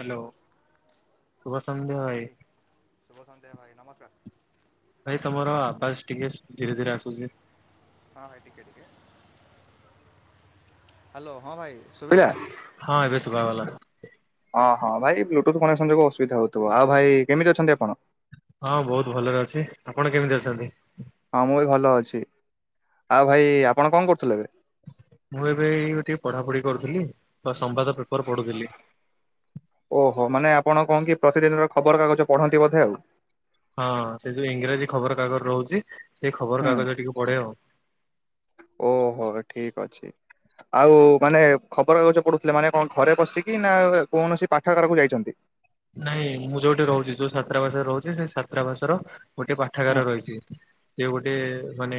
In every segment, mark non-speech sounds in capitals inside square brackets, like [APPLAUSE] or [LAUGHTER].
Hello. Hello ହଁ ଭାଇ ଶୁଭ ସନ୍ଧ୍ୟା ଭାଇ ନମସ୍କାର। ଭାଇ ତମର ଆବାସ ଟିକେ ଧୀରେ ଧୀରେ ଆସୁଚି ହଁ ଭାଇ ଟିକେ ଟିକେ ହାଲୋ ହଁ ଭାଇ ସୁଭିଲା? ହଁ ଏବେ ଶୁଭାଗଲା। ବ୍ଲୁଟୁଥନ ଯୋଗୁ ଅସୁବିଧା ହଉଥିବ ଆଉ ଭାଇ କେମିତି ଅଛନ୍ତି ଆପଣ? ହଁ ବହୁତ ଭଲରେ ଅଛି ଆପଣ କେମିତି ଅଛନ୍ତି? ହଁ ମୁଁ ବି ଭଲ ଅଛି ଆଉ ଭାଇ ଆପଣ କଣ କରୁଥିଲେ ଏବେ ମୁଁ ଏବେ ଟିକେ ପଢାପଢି କରୁଥିଲି। ସମ୍ବାଦ ପେପର ପଢୁଥିଲି। ଓହୋ ମାନେ ଆପଣ କଣ କି ପ୍ରତିଦିନର ଖବରକାଗଜ ପଢ଼ନ୍ତି ବୋଧେ ଆଉ ହଁ ସେ ଯୋଉ ଇଂରାଜୀ ଖବର କାଗଜ ରହୁଚି ହୁଁ ଓହୋ ଠିକ ଅଛି। ଆଉ ମାନେ ଖବର କାଗଜ ପଢୁଥିଲେ ମାନେ କଣ ଘରେ ବସିକି ନା କୌଣସି ପାଠାଗାରକୁ ଯାଇଚନ୍ତି ନାଇଁ ମୁଁ ଯୋଉଠି ରହୁଛି ଯୋଉ ଛାତ୍ରା ଭାଷରେ ରହୁଛି ସେଇ ସଛାତ୍ରା ଭାଷ ର ଗୋଟେ ହଁ ପାଠାଗାର ରହିଛି ସେ ଗୋଟେ ମାନେ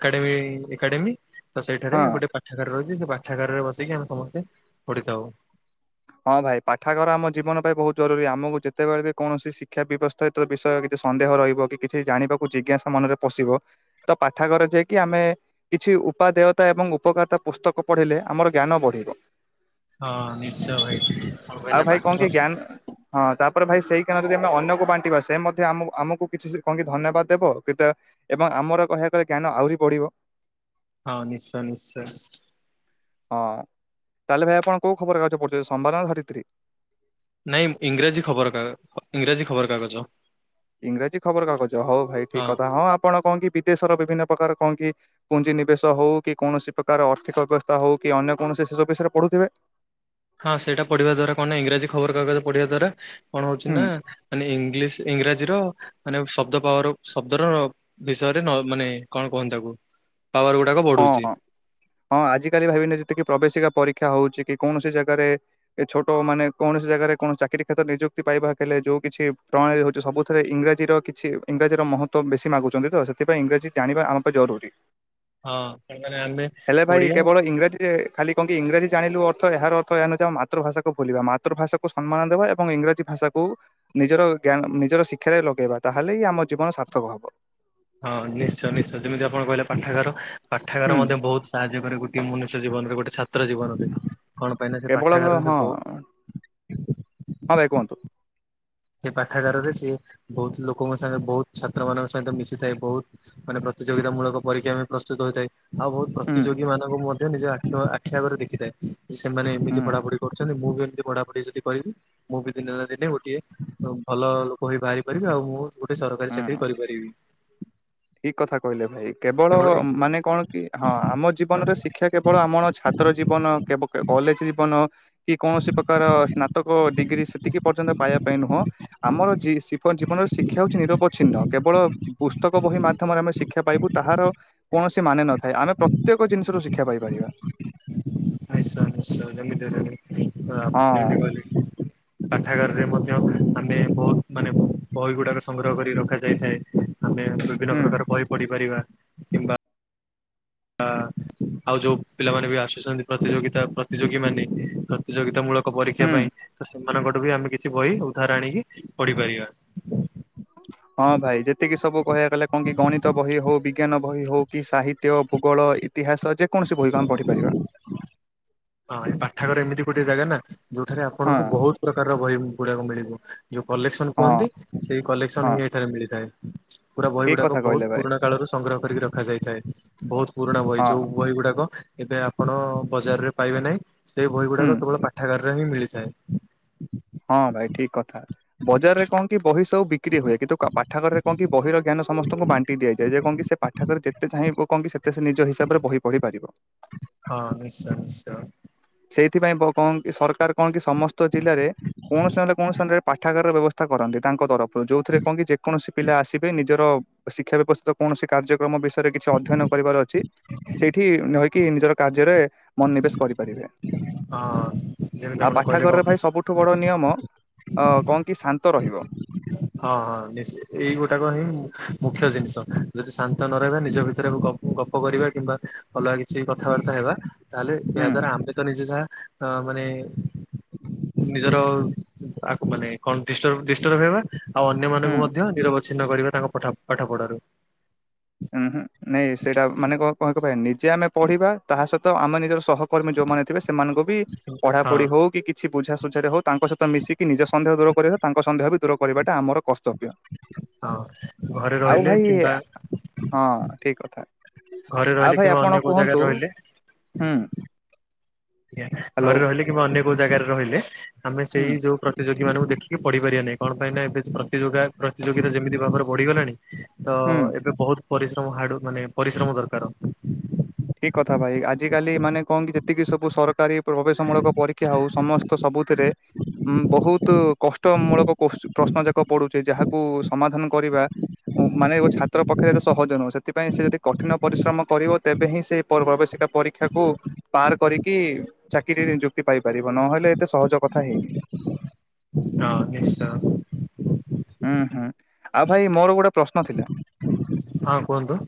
ଏକାଡେମୀ ଏକାଡେମୀ ତ ସେଇଠାରେ ହଁ ଗୋଟେ ପାଠାଗାର ରହିଛି ସେ ପାଠାଗାରରେ ବସିକି ଆମେ ସମସ୍ତେ ପଡ଼ିଥାଉ। ହଁ ଭାଇ ପାଠାଗର ଆମ ଜୀବନ ପାଇଁ ବହୁତ ଜରୁରୀ ଆମକୁ ଯେତେବେଳେ ବି କୌଣସି ଶିକ୍ଷା ବ୍ୟବସ୍ଥା ବିଷୟ ବି ସନ୍ଦେହ ରହିବ କି କିଛି ଜାଣିବାକୁ ଜିଜ୍ଞାସା ମନରେ ପସିବ ତ ପାଠାଗର ଯାଇକି ଆମେ କିଛି ଉପାଦେୟତା ଏବଂ ଉପକାରିତା ପୁସ୍ତକ ପଢ଼ିଲେ ଆମର ଜ୍ଞାନ ବଢିବ। ହଁ ନିଶ୍ଚିନ୍ତ। ଆଉ ଭାଇ କଣ କି ଜ୍ଞାନ ହଁ ତାପରେ ଭାଇ ସେଇ କାରଣ ଯଦି ଆମେ ଅନ୍ୟକୁ ବାଣ୍ଟିବା ସେ ମଧ୍ୟ ଆମକୁ ଆମକୁ କିଛି କଣ କି ଧନ୍ୟବାଦ ଦେବ କେ ଏବଂ ଆମର କହିବା। ସେଥିରେ ଜ୍ଞାନ ଆହୁରି ପଡିବ। ହଁ ନିଶ୍ଚୟ ନିଶ୍ଚୟ। ହଁ ତାହେଲେ ଭାଇ ଆପଣ କୋଉ ଖବରକାଗଜ ପଡୁଛନ୍ତି ସମ୍ବାଦ ନ ଧରିତ୍ରୀ? ନାଇଁ ଇଂରାଜୀ ଖବର ଇଂରାଜୀ ଖବର କାଗଜ। ଇଂରାଜୀ ଖବରକାଗଜ ହଉ ଭାଇ ଠିକ୍ କଥା ହଁ ଆପଣ କଣ କି ବିଦେଶର ବିଭିନ୍ନ ପ୍ରକାର କଣ କି ପୁଞ୍ଜି ନିବେଶ ହଉ କି କୌଣସି ପ୍ରକାର ଅର୍ଥିକ ଅବସ୍ଥା ହଉ କି ଅନ୍ୟ କୌଣସି ସେ ସବୁ ବିଷୟରେ ପଢୁ ତେବେ ହଁ ସେଇଟା ପଢ଼ିବା ଦ୍ଵାରା କଣ ଇଂରାଜୀ ଖବରକାଗଜ ପଢିବା ଦ୍ଵାରା କଣ ହଉଛି ହୁଁ ନା ମାନେ ଇଂଲିଶ୍ ଇଂରାଜୀର ମାନେ ଶବ୍ଦ ପାୱାର ଶବ୍ଦର ବିଷୟରେ ମାନେ କଣ କହନ୍ତି ତାକୁ ପାୱାର ଗୁଡାକ ହଁ ବଢୁଛି ହଁ ହଁ ଆଜିିକାଲି ଭାବିନେଇଛନ୍ତି କି ପ୍ରବେଶିକା ପରୀକ୍ଷା ହଉଛି କି କୌଣସି ଜାଗାରେ ଏ ଛୋଟ ମାନେ କୌଣସି ଜାଗାରେ କୌଣସି ଚାକିରୀ କ୍ଷେତ୍ର ନିଯୁକ୍ତି ପାଇବା ହେଲେ ସେ ଯେଉଁ କିଛି ପ୍ରଣାଳୀ ହେଉଛି ସବୁଥିରେ ଇଂରାଜୀର କିଛି ଇଂରାଜୀର ମହତ୍ତ୍ୱ ବେଶୀ ମାଗୁଛନ୍ତି ତ ସେଥିପାଇଁ ଇଂରାଜୀ ଚାହିଁବା ଆମ ପାଇଁ ଜରୁରୀ। ହଁ ମାନେ ଆମେ ହେଲେ ଭାଇ ଓଡିଆ କେବଳ ଇଂରାଜୀରେ ଖାଲି କଣ କି ଇଂରାଜୀ ଜାଣିଲୁ ଅର୍ଥ ଏହାର ଅର୍ଥ ଏହା ନୁହ ଯେ ଆମ ମାତୃଭାଷାକୁ ଭୁଲିବା ମାତୃଭାଷାକୁ ସମ୍ମାନ ଦେବା ଏବଂ ଇଂରାଜୀ ଭାଷାକୁ ନିଜର ଜ୍ଞା ନିଜର ଶିକ୍ଷାରେ ଲଗେଇବା ତାହେଲେ ହିଁ ଆମ ଜୀବନ ସାର୍ଥକ ହବ। ହଁ ନିଶ୍ଚୟ ନିଶ୍ଚୟ ଯେମିତି ଆପଣ କହିଲେ ପାଠାଗାର ପାଠାଗାର ହୁଁ ମଧ୍ୟ ବହୁତ ସାହାଯ୍ୟ କରେ ଗୋଟେ ମନୁଷ୍ୟ ଜୀବନରେ ଗୋଟ ଛାତ୍ର ଛାତ୍ର ଜୀବନରେ କଣ ପାଇଁନା ସେ କେବଳ ହଁ ପାଠାଗାରରେ ବହୁତ୍ ହଁ ଭାଇ କୁହନ୍ତୁ। ସେ ପାଠାଗାରରେ ସିଏ ବହୁତ୍ ଲୋକଙ୍କ ସାଙ୍ଗ ବହୁତ୍ ଛାତ୍ର ମାନଙ୍କ ସାଙ୍ଗେ ମିଶିଥାଏ ବହୁତ୍ ମାନେ ପ୍ରତିଯୋଗିତା ମୂଳକ ପରୀକ୍ଷା ପାଇଁ ପ୍ରସ୍ତୁତ ହୋଇଥାଏ। ଆଉ ବହୁତ୍ ହୁଁ ପ୍ରତିଯୋଗୀ ମାନଙ୍କୁ ମଧ୍ୟ ନିଜ ଆଖି ଆଖି ଆଗରେ ଦେଖିଥାଏ। ସେମାନେ ହୁଁ ଏମିତି ପଢାପଢି କରୁଛନ୍ତି ମୁଁ ବି ଏମିତି ପଢାପଢି ଯଦି କରିବି ମୁଁ ବି ଦିନେ ନା ଦିନେ ଗୋଟିଏ ଭଲ ଲୋକ ହେଇ ବାହାରି ପାରିବି ଆଉ ମୁଁ ଗୋଟେ ସରକାରୀ ଚାକିରି କରିପାରିବି। ଠିକ୍ କଥା କହିଲେ ଭାଇ। କେବଳ ମାନେ କଣ କି ହଁ ଆମ ଜୀବନରେ ଶିକ୍ଷା କେବଳ ଆମର ଛାତ୍ର ଜୀବନ କେବ କେ କ କଲେଜ୍ ଜୀବନ କି କୌଣସି ପ୍ରକାର ସ୍ନାତକ ଡିଗ୍ରୀ ସେତିକି ପର୍ଯ୍ୟନ୍ତ ପାଇବା ପାଇଁ ନୁହଁ ଆମର ଜି ସିଫ ଜୀବନର ଶିକ୍ଷା ହଉଛି ନିରବଚ୍ଛିନ୍ନ କେବଳ ପୁସ୍ତକରେ ବହି ମାଧ୍ୟମରେ ଆମେ ଶିକ୍ଷା ପାଇବୁ ତାହାର କୌଣସି ମାନେ ନଥାଏ ଆମେ ପ୍ରତ୍ୟେକ ଜିନିଷରୁ ଶିଖ ନିଶ୍ଚୟ ନିଶ୍ଚୟ ଯେମିତି [UNINTELLIGIBLE] ହାପି ହଁ ଦିୱାଲୀ ପାଠାଗାରରେ ମଧ୍ୟ ଆମେ ବହୁତ ମାନେ ବହି ଗୁଡାକ ସଂଗ୍ରହ କରି ରଖାଯାଇଥାଏ। ଆମେ ବିଭିନ୍ନ ହୁଁ ପ୍ରକାର ବହି ପଢିପାରିବା କିମ୍ବା ଆ ଆଉ ଯୋଉ ପିଲାମାନେ ବି ଆସୁଛନ୍ତି ପ୍ରତିଯୋଗିତା ପ୍ରତିଯୋଗୀ ମାନେ ପ୍ରତିଯୋଗିତା ମୂଳକ ପରୀକ୍ଷା ହୁଁ ପାଇଁ ତ ସେମାନଙ୍କଠୁ ବି ଆମେ କିଛି ବହି ଉଦ୍ଧାର ଆଣିକି ପଢିପାରିବା। ହଁ ଭାଇ ଯେତିକି ସବୁ କହିବାକୁ ଗଲେ କଣ କି ଗଣିତ ବହି ହଉ ବି ବିଜ୍ଞାନ ବହି ହଉ କି ସାହିତ୍ୟ ଭୂଗୋଳ ଇତିହାସ ଯେକୌଣସି ବହିକୁ ଆମେ ପଢିପାରିବା। ହଁ ଏ ପାଠାଗାର ଏମିତି ଗୋଟେ ଜାଗା ନା ଯୋଉଠାରେ ହଁ ଆପଣଙ୍କୁ ବହୁତ ପ୍ରକାରର ବହି ଗୁଡାକ ମିଳିବ। ଯୋଉ କଲେକ୍ସନ ହଁ କୁହନ୍ତି ସେଇ ହଁ କଲେକ୍ସନ ହିଁ ଏଠାରେ ମିଳିଥାଏ। ପୁରା ବହି ଠିକ ଗୁଡାକ କଥା ବହୁତ୍ କହିଲେ ଭାଇ ପୁରୁଣା କାଳରୁ ସଂଗ୍ରହ କରିକି ରଖାଯାଇଥାଏ। ବହୁତ୍ ପୁରୁଣା ବହି ହଁ ଯୋଉ ବହି ଗୁଡାକ ଏବେ ଆପଣ ବଜାରରେ ପାଇବେ ନାହିଁ ସେଇ ବହି ହୁଁ ଗୁଡାକ କେବଳ ପାଠାଗାରରେ ହିଁ ମିଳିଥାଏ। ହଁ ଭାଇ ଠିକ୍ କଥା ବଜାରରେ କଣ କି ବହି ସବୁ ବିକ୍ରି ହୁଏ। କିନ୍ତୁ ପାଠାଗାରରେ କଣ କି ବହିର ଜ୍ଞାନ ସମସ୍ତଙ୍କୁ ବାଣ୍ଟି ଦିଆଯାଏ। ଯେ କଣ କି ସେ ପାଠାଗାର ରେ ଯେତେ ଚାହିଁବୁ କଣ କି ସେତେ ସେ ନିଜ ହିସାବରେ ବହି ପଢି ପାରିବ। ହଁ ନିଶ୍ଚୟ ନିଶ୍ଚୟ ସେଇଥିପାଇଁ ବ କଣ କି ସରକାର କଣ କି ସମସ୍ତ ଜିଲ୍ଲାରେ କୌଣସି ନହେଲେ କୌଣସି ନରେ ପାଠାଗାରର ବ୍ୟବସ୍ଥା ସ୍ତା କରନ୍ତି ତାଙ୍କ ତରଫରୁ ଯେଉଥିରେ କଣ କି ଯେକୌଣସି ପିଲା ଆସିବେ ନିଜ ନିଜର ଶିକ୍ଷା ବ୍ୟବସ୍ଥିତ କୌଣସି କାର୍ଯ୍ୟକ୍ରମ ବିଷୟରେ କିଛି ଅଧ୍ୟୟନ କରିବାର ଅଛି ସେଇଠି ରହିକି ନିଜର କାର୍ଯ୍ୟରେ ମନୋନିବେଶ କରିପାରିବେ। ହଁ ଯେମିତି ଆଉ ଆପଣ କହିଲେ କଣ ପାଠଘରରେ ହଁ ଭାଇ ସବୁଠୁ ବଡ ନିୟମ ଅ କଣ କି ଶାନ୍ତ ରହିବ। ହଁ ହଁ ନିସ୍ ଏଇଗୋଟାକ ହିଁ ମୁଖ୍ୟ ଜିନିଷ ଯଦି ଶାନ୍ତ ନ ରହିବ ନିଜ ଭିତରେ ଗ ଗପ କରିବା କିମ୍ବା ଅଲଗା କିଛି କଥାବାର୍ତ୍ତା ହେବା ତାହେଲେ ହୁଁ ଏହା ଦ୍ଵାରା ଆମେ ତ ନିଜେ ଯାହା ଅ ମାନେ-ଏ-ଏ ନିଜର-ଅ-ଅ ଆ ମାନେ କଣଡି ଡିଷ୍ଟ ଡିଷ୍ଟର୍ବ ହେବା। ଆଉ ଅନ୍ୟ ହୁଁ ମାନଙ୍କୁ ମଧ୍ୟ ନିରବିଚ୍ଛିନ୍ନ କରିବେ ତାଙ୍କ ପଠ ପାଠ ପଢାରୁ ଉଁ ହୁଁ ନାଇଁ ସେଇଟା ମାନେ କଣ କଣ କ ନିଜେ ଆମେ ପଢିବା ତାହା ସହିତ ଆମେ ନିଜର ସହ କର୍ମୀ ଯୋଉମାନେଥିବେ ସେମାନଙ୍କୁ ବି ପଢା ପଢି ହଁ ହଉ କିଛି ବୁଝାସୁଝାରେ ହେଉ ତାଙ୍କ ସହିତ ମିଶିକି ନିଜ ସନ୍ଦେହ ଦୂର କରିବେ ତାଙ୍କ ସନ୍ଦେହ ବି ଦୁର କରିବାଟା ଆମର ଉ କର୍ତଵ୍ୟ ହଁ ଘରେ ଆଉ ରହିଲେ ଭାଇ କିମ୍ବା ଆ ହଁ ଠିକ କଥା ଘରେ ଆଉ ରହିଲେ ଭାଇ କିମ୍ବା ଅନ୍ୟ ଆପଣ କୋଉ ଜାଗାରେ କୁହନ୍ତୁ, ରହିଲେ ହୁଁ ହ୍ୟାଲୋ ଘରେ ରହିଲେ କିମ୍ବା ଅନ୍ୟ କୋଉ ଜାଗାରେ ରହିଲେ ଆମେ ହୁଁ ସେଇ ଯୋଉ ପ୍ରତିଯୋଗୀ ମାନଙ୍କୁ ଦେଖିକି ପଢି ପାରିବା ନାଇଁ କଣ ପାଇଁ ନା ଏବେ ପ୍ରତିଯୋଗା ପ୍ରତିଯୋଗିତା ଯେମିତି ଭାବରେ ବଢିଗଲାଣି। ତ ହୁଁ ଏବେ ବହୁତ ପରିଶ୍ରମ ହାଡୁ ମାନେ ପରିଶ୍ରମ ଦରକାର। ଆ କାଲି ମାନେ କଣ କି ଯେତିକି ସବୁ ସରକାରୀ ପ୍ରବେଶ ମୂଳକ ପରୀକ୍ଷା ହଉ ସମସ୍ତ ସବୁଥିରେ ଉମ୍ ବହୁତ କଷ୍ଟମୂଳକ କୋଷ୍ ପ୍ରଶ୍ନ ଯାକ ପଡୁଛି ଯାହାକୁ ସମାଧାନ କରିବା। ଉ ମାନେ ଛାତ୍ର ପକ୍ଷରେ ଏତେ ସହଜ ନୁହେଁ ସେଥିପାଇଁ ସେ ଯଦି କଠିନ ପରିଶ୍ରମ କରିବ ତେବେ ହିଁ ସେ ପରବା ବେଶୀ ପରୀକ୍ଷାକୁ ପାର କରିକି ଚାକିରିରେ ନିଯୁକ୍ତି ପାଇପାରିବ ନହେଲେ ଏତେ ସହଜ କଥା ହେଇନି। ହଁ ନିଶ୍ଚୟ। ହୁଁ ହୁଁ ଆଉ ଭାଇ ମୋର ଗୋଟେ ପ୍ରଶ୍ନ ଥିଲା? ହଁ କୁହନ୍ତୁ।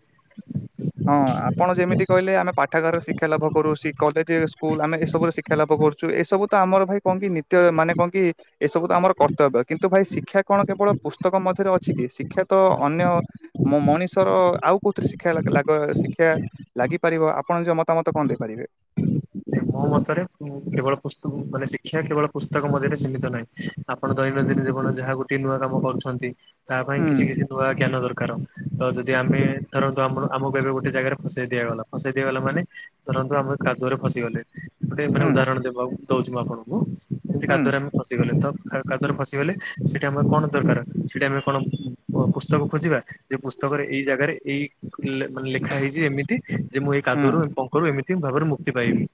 ହଁ ଆପଣ ଯେମିତି କହିଲେ ଆମେ ପାଠାଗାର ଶିକ୍ଷା ଲାଭ କରୁ [UNINTELLIGIBLE] ଯେ ସ୍କୁଲ ଆମେ ଏ ସବୁ ଶିକ୍ଷା ଲାଭ କରୁଚୁ ଏ ସବୁ ତ ଆମର ଭାଇ କଣ କି ନିତ୍ୟ ମାନେ କଣ କି ଏସବୁ ତ ଆମର କର୍ତ୍ତବ୍ୟ କିନ୍ତୁ ଭାଇ ଶିକ୍ଷା କଣ କେବଳ ପୁସ୍ତକ ମଧ୍ୟରେ ଅଛି କି ଶିକ୍ଷା ତ ଅନ୍ୟ ମୋ ମଣିଷର ଆଉ କୋଉଁଥିରେ ଶିକ୍ଷା ଲାଗ ଶିକ୍ଷା ଲାଗିପାରିବ? ଆପଣ ନିଜ ମତାମତ କଣ ଦେଇପାରିବେ। ମୋ ମତରେ କେବଳ ପୁସ୍ତ ମାନେ ଶିକ୍ଷା କେବଳ ପୁସ୍ତକ ମଧ୍ୟରେ ସୀମିତ ନାହିଁ। ଆପଣ ଦୈନଦିନ ଜୀବନ ଯାହା ଗୋଟେ ନୂଆ କାମ କରୁଛନ୍ତି। ତା ପାଇଁ ହୁଁ କିଛି କିଛି ନୂଆ ଜ୍ଞାନ ଦରକାର ତ ଯଦି ଆମେ ଧରନ୍ତୁ ଆମ ଆମକୁ ଏବେ ଗୋଟେ ଜାଗାରେ ଫସେଇ ଦିଆଗଲା। ଫସେଇ ଦିଆଗଲା ମାନେ ଧରନ୍ତୁ ଆମେ କାଦୁଅରେ ଫସିିଗଲେ ଗୋଟେ ମାନେ ହୁଁ ଉଦାହରଣ ଦେବାକୁ ଦଉଛିୁ। ମୁଁ ଆପଣଙ୍କୁ ଯେମିତି ହୁଁ କାଦୁଅ ରେ ଆମେ ଫସିଗଲେ ତ କାଦୁଅ ରେ ଫସିଗଲେ ସେଇଟା ଆମର କଣ ଦରକାର ସେଇଟା ଆମେ କଣ ପୁସ୍ତକ ଖୋଜିବା ଯେ ପୁସ୍ତକରେ ଏଇ ଜାଗାରେ ଏଇ ମାନେ ଲେଖା ହେଇଛି ଏମିତି ଯେ ମୁଁ ଏ କାଦୁଅ ହୁଁ ରୁ ପଙ୍କରୁ ଏମିତି ଭାବରେ ମୁକ୍ତି ପାଇବି।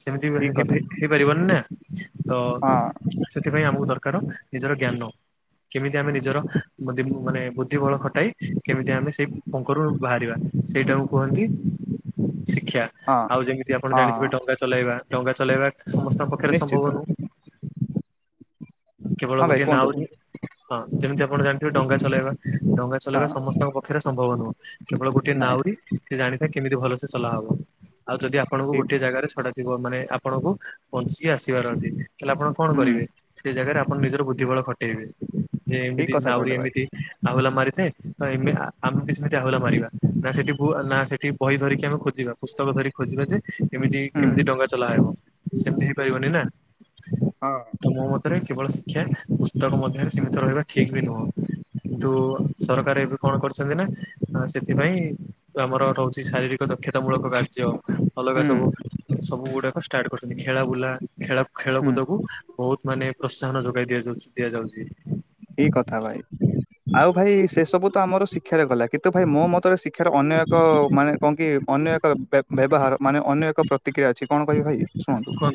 ସେମିତି ଠିକ କଥା ହେଇପାରିବନି ନା ତ ହଁ ସେଥିପାଇଁ ଆମକୁ ଦ ଦରକାର ନିଜର ଜ୍ଞାନ କେମିତି ଆମେ ନିଜର ମାନେ ବୁଦ୍ଧି ବଳ ଖଟାଇ କେମିତି ଆମେ ସେ ପଙ୍କରୁ ବାହାରିବା ସେଇଟାକୁ କୁହନ୍ତି ଶିକ୍ଷା ହଁ ଆଉ ଯେମିତି ଆପଣ ହଁ ଜାଣିଥିବେ ଡଙ୍ଗା ଚଲେଇବା ଡଙ୍ଗା ଚଲେଇବା ସମସ୍ତଙ୍କ ପାଖରେ ନିଶ୍ଚିତ ସମ୍ଭବ ନୁହଁ। କେବଳ ହଁ ଭାଇ ଗୋଟିଏ କୁହନ୍ତୁ ନାଉରୀ କୁହନ୍ତୁ ହଁ ଯେମିତି ଆପଣ ଜାଣିଥିବେ ଡଙ୍ଗା ଚଲେଇବା ଡଙ୍ଗା ହଁ ଚଲେଇବା ସମସ୍ତଙ୍କ ପଖରେ ସମ୍ଭବ ନୁହଁ। କେବଳ ଗୋଟଏ ନାଇଁ ନାଉରୀ ସେ ଜାଣି କେମିତି ଭଲସେ ଚଲା ହବ। ଆଉ ଯଦି ଆପଣଙ୍କୁ ଠିକ ଗୋଟିଏ ଜାଗାରେ ଛଡା ମାନେ ଆପଣଙ୍କୁ ବଞ୍ଚିକି ଆସିବାର ଅଛି। ହେଲେ ଆପଣ କଣ ହୁଁ କରିବେ ସେ ଜାଗାରେ ଆପଣ ନିଜର ବୁଦ୍ଧି ବଳ ଖଟେଇବେ। ଯେ ଠିକ ଏମିତି କଥା ନାଉରି କହିଲେ ଭାଇ ଏମିତି ଆହୁଲା ମାରିଥାଏ। ତ ଆମେ ବି ସେମିତି ଆହୁଲା ମାରିବା ନା ସେଠି ସେଠି ବହି ଧରିକି ଆମେ ଖୋ ପୁସ୍ତକ ଧରି ଖୋଜିବା, ଯେ କେମିତି ହୁଁ କେମିତି ଡ଼ଙ୍ଗା ଚଲାହବ। ସେମିତି ହେଇ ପାରିବନି ନା। ହଁ ତମ ମତରେ, କେବଳ ଶିକ୍ଷା ପୁସ୍ତକ ମଧ୍ୟରେ ସୀମିତ ରହିବା ଠିକ ବି ନୁହଁ। କିନ୍ତୁ ସରକାର, ଏବେ କଣ କରିଛନ୍ତି ନା। ସେଥିପାଇଁ ଆମର ରହୁଛି ଶାରୀରିକ ଦକ୍ଷତାମୂଳକ କାର୍ଯ୍ୟ। ଅଲଗା ହୁଁ ସବୁ। ସବୁ ଗୁଡାକ ଷ୍ଟାର୍ଟ କରୁଛନ୍ତି। ଖେଳା ବୁଲା, ଖେଳ ହୁଁ ଖେଳକୁୁଦ କ ବହୁତ ମାନେ ପ୍ରୋତ୍ସାହନ ଯୋଗାଇ ଦିଆ ଦିଆଯାଉଛି। ଏଇ କଥା ଭାଇ। ଆଉ ଭାଇ ସେ ସବୁ ତ ଆମର ଶିକ୍ଷାରେ ଗଲା। କିନ୍ତୁ ଭାଇ, ମୋ ମତରେ ଶିକ୍ଷାର ଅନ୍ୟ ଏକ ମାନେ କଣ କି। ଅନ୍ୟ ଏକ ବ୍ୟବହାର। ମାନେ ଅନ୍ୟ ଏକ ପ୍ରତି ଟିକେ ଅଛି, କଣ କହିବି ଭାଇ ଶୁଣନ୍ତୁ। ତ।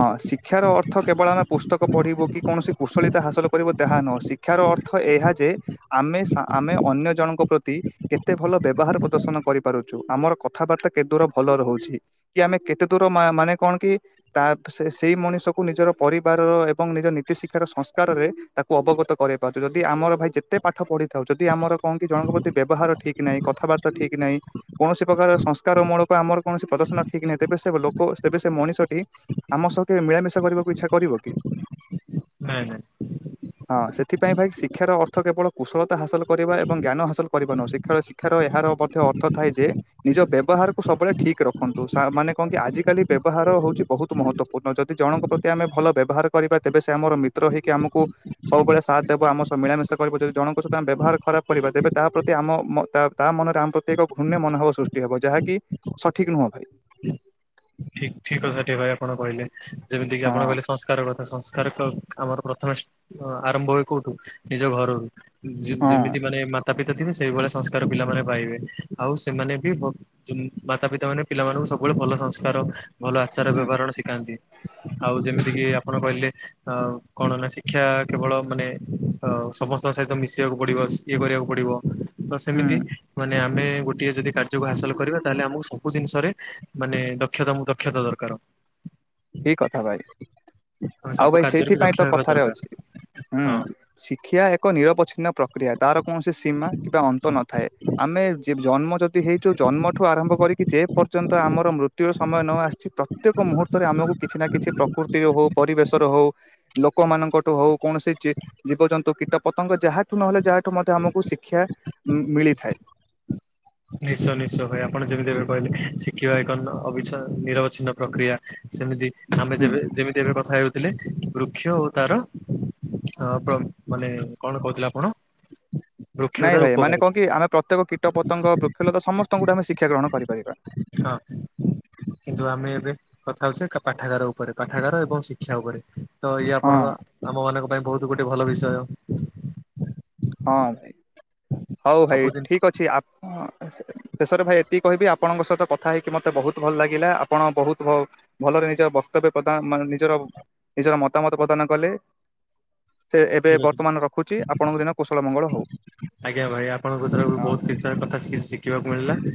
ହଁ ଶିକ୍ଷାର ଅର୍ଥ କେବଳ ଆମେ ପୁସ୍ତକ ପଢିବୁ, କି କୌଣସି କୁଶଳୀତା ହାସଲ ତା ନୁହଁ ଶିକ୍ଷାର ଅର୍ଥ ଏହା ଯେ, ଆମେ ଆମେ ଅନ୍ୟ ଜଣଙ୍କ ପ୍ରତି କେତେ ଭଲ ବ୍ୟବହାର ପ୍ରଦର୍ଶନ କରିପାରୁଛୁ। ଆମର କଥାବାର୍ତ୍ତା କେତେ ଦୂର ଭଲ ରହୁଛି। କି ଆମେ କେତେ ଦୂର ମା ମାନେ କଣ କି। ତା ସେଇ ମଣିଷକୁ ନିଜର ପରିବାରର, ଏବଂ ନିଜ ନୀତି ଶିକ୍ଷାର ସଂସ୍କାରରେ ତାକୁ ଅବଗତ କରାଇପାରୁଛୁ। ଯଦି ଆମର ଭାଇ ଯେତେ ପାଠ ପଢିଥାଉ, ଯଦି ଆମର କଣ କି, ଜଣଙ୍କ ପ୍ରତି ବ୍ୟବହାର ଠିକ ନାହିଁ କଥାବାର୍ତ୍ତା ଠିକ ନାହିଁ। କୌଣସି ପ୍ରକାର ସଂସ୍କାର ମୂଳକ, ଆମର କୌଣସି ପ୍ରଦର୍ଶନ ଠିକ ନାହିଁ। ତେବେ ଲୋକ ତ ମଣିଷଟି ଆମ ସହିତ ମିଳାମିଶା କରିବାକୁ ଇଚ୍ଛା କରିବ କି? ନାଇଁ ନାଇଁ। ହଁ ସେଥିପାଇଁ ଭାଇ ଶିକ୍ଷାର ଅର୍ଥ କେବଳ କୁଶଳତା ହାସଲ କରିବା ଏବଂ ଜ୍ଞାନ ହାସଲ କରିବା ନୁହଁ। ଶିକ୍ଷା ଏହାର ମଧ୍ୟ ଅର୍ଥ ଥାଏ ଯେ ନିଜ ବ୍ୟବହାର କୁ ସବୁବେଳେ ଠିକ ରଖନ୍ତୁ। ମାନେ କଣ କି ଆଜିକାଲି ବ୍ୟବହାର ହେଉଛି ବହୁତ ମହତ୍ୱପୂର୍ଣ ଯଦି ଜଣଙ୍କ ପ୍ରତି ଆମେ ଭଲ ବ୍ୟବହାର କରିବା। ତେବେ ସେ ଆମର ମିତ୍ର ହେଇକି ଆମକୁ ସବୁବେଳେ ସାଥ ଦେବ। ଆମ ସହ ମିଳାମିଶା କରିବ। ଯଦି ଜଣଙ୍କ ସହିତ ଆମେ ବ୍ୟବହାର ଖରାପ କରିବା, ତେବେ ତାହା ପ୍ରତି ଆମ ତା ମନରେ ଆମ ପ୍ରତି, ଏକ ଘୃଣ୍ୟ ମନୋଭାବ ସୃଷ୍ଟି ହବ। ଯାହାକି ସଠିକ ନୁହଁ ଭାଇ। ଠିକ ଠିକ କଥା ଟେ ଭାଇଏ ଆପଣ କହିଲେ। ଯେମିତି କିି ଆପଣ ହଁ କହିଲେ, ସଂସ୍କାର କଥା ସଂସ୍କାର ଆମର ପ୍ରଥମେ ଆରମ୍ଭ ହୁଏ କୋଉଠୁ, ନିଜ ଘରରୁ। ହଁ ଯେମିତି ମାନେ ମାତା ପିତା ଥିବେ, ସେଇଭଳିଆ ସଂସ୍କାର ପିଲାମାନେ ପାଇବେ। ଆଉ ସେମାନେ ବି, ମାତା ପିତା ମାନେ ପିଲାମାନଙ୍କୁ ସବୁବେଳେ ଭଲ ସଂସ୍କାର। ଭଲ ଆଚାର ହୁଁ ବ୍ୟବହାରଣ ଶିଖାନ୍ତି। ଆଉ ଯେମିତିକି ଆପଣ କହିଲେ ଆ କଣ, ହେ ନା ଶିକ୍ଷା କେବଳ। ମାନେ ଅ ସମସ୍ତଙ୍କ ସହିତ ମିଶିବାକୁ ପଡିବ। ଇଏ କରିବା ପଡିବ। ତ ସେମିତି ହୁଁ ମାନେ ଆମେ ଗୋଟଏ ଯଦି କାର୍ଯ୍ୟକୁ ହାସଲ କରିବା। ତାହେଲେ ଆମକୁ ସବୁ ଜିନିଷରେ ମାନେ ଦକ୍ଷତା [UNINTELLIGIBLE] ଦରକାର। ଠିକ୍ କଥା ଭାଇ। ଆମେ ଆଉ ସବୁ ଭାଇ କାର୍ଯ୍ୟରେ ବି ସେଇଥିପାଇଁ ଦକ୍ଷ ତ ହେବା କଥାରେ ଦରକାର ଅଛି। ହୁଁ। ହଁ ଶିକ୍ଷା ଏକ ନିରପଛ ପ୍ରକ୍ରିୟା। ତାର କୌଣସି ସୀମା କିମ୍ବା ଅନ୍ତ ନଥାଏ। ଆମେ ଜନ୍ ଯଦି ହେଇଛୁ। ଜନ୍ମଠୁ ଆରମ୍ଭ କରିକି, ଯେ ପର୍ଯ୍ୟନ୍ତ ଆମର ମୃତ୍ୟୁର ସମୟ ନ ଆସିଛି। ପ୍ରତ୍ୟେକ ମୁହୂତ୍ତ ଆମକୁ କିଛି ନା କିଛି ପ୍ରକୃତିର ହଉ, ପରିବେଶ ର ହଉ, ଲୋକମାନଙ୍କଠୁ ହଉ। କୌଣସି ଜୀବଜନ୍ତୁ, କୀଟ ପତଙ୍ଗ ଯାହା ନହେଲେ, ଯାହାଠୁ ମଧ୍ୟ ଆମକୁ ଶିକ୍ଷା ମିଳିଥାଏ। ନିଶ୍ଚୟ, ନିଶ୍ଚୟ ଭାଇ। ଆପଣ ଯେମିତି ଏବେ କହିଲେ। ଶିଖିବା ଏକଚଛ ନିରବଚ୍ଛିନ୍ନ ପ୍ରକ୍ରିୟା। ସେମିତି, ଆମେ ହୁଁ। ଯେବେ ଯେମିତି ଏବେ କଥା ହେଉ ଥିଲେ। ବୃକ୍ଷ ଓ ତାର, ମାନେ କଣ କହୁଥିଲେ ଆପଣ? ବୃକ୍ଷ ଓ ନାଇଁ ତାର ଭାଇ, ମାନେ କହ ଉପକାରିତା କି ଆମେ ପ୍ରତ୍ୟେକ କୀଟ ପତଙ୍ଗ, ବୃକ୍ଷଲତା ସମସ୍ତଙ୍କୁଠୁ, ଆମେ ଶିକ୍ଷା ଗ୍ରହଣ କରିପାରିବା। ହଁ। କିନ୍ତୁ, ଆମେ ଏବେ କଥା ହଉଛେ ପାଠାଗାର ଉପରେ, ପାଠାଗାର ଏବଂ ଶିକ୍ଷା ଉପରେ। ତ ଇଏ ହଁ ଆପଣଙ୍କ, ଆମ ମନଙ୍କ ପାଇଁ ବହୁତ ଗୋଟେ ଭଲ ବିଷୟ। ହଁ ଭାଇ। ହଉ ଭାଇ ସବୁ ଜିନିଷ ଠିକ ଅଛି ଶେଷରେ ଭାଇ ଏତିକି କହିବି। ଆପଣଙ୍କ ସହିତ କଥା ହେଇକି ମତେ ବହୁତ ଭଲ ଲାଗିଲା। ଆପଣ ବହୁତ ଭଲ। ନିଜ ବକ୍ତବ୍ୟ ପ୍ରଦାନାନ ନିଜର ନିଜର ମତାମତ ପ୍ରଦାନ କଲେ। ସେ ଏବେ ଠିକ ଅଛି ବର୍ତ୍ତମାନ ରଖୁଛି, ଆପଣଙ୍କ ଦିନ କୁଶଳ ମଙ୍ଗଳ ହଉ। ଆଜ୍ଞା, ଭାଇ ଆପଣଙ୍କ ର ହଁ ବହୁତ କିଛି ସ କଥା କିଛି ଶିଖିବାକୁ ମିଳିଲା। [INAUDIBLE]